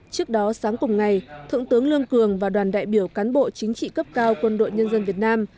trước đó sáng cùng ngày thượng tướng lương cường và đoàn đại biểu cán bộ chính trị cấp cao quân đội nhân dân việt nam